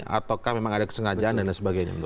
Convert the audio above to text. ataukah memang ada kesengajaan dan lain sebagainya